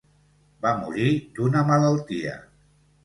Va morir d'una malaltia.